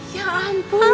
ya ampun wina